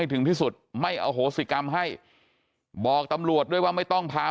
ถึงที่สุดไม่อโหสิกรรมให้บอกตำรวจด้วยว่าไม่ต้องพา